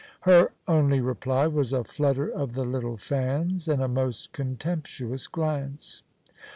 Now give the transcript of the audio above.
Her only reply was a flutter of the little fans and a most contemptuous glance.